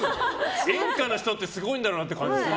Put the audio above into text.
演歌の人ってすごいんだろうなって感じがする。